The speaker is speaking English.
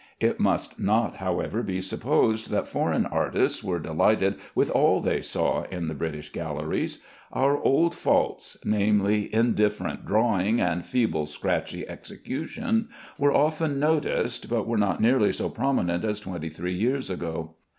It must not, however, be supposed that foreign artists were delighted with all they saw in the British galleries. Our old faults namely, indifferent drawing, and feeble, scratchy execution were often noticed, but were not nearly so prominent as twenty three years ago.